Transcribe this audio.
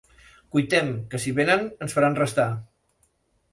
Cuitem, que si venen ens faran restar.